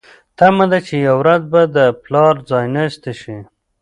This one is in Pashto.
تمه ده چې یوه ورځ به د پلار ځایناستې شي.